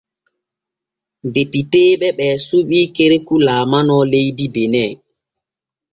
Depiteeɓe ɓe suɓi Kerekou laalano leydi Bene.